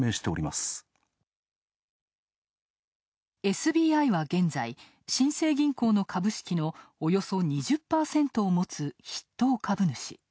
ＳＢＩは現在、新生銀行の株式のおよそ２０％を持つ筆頭株主。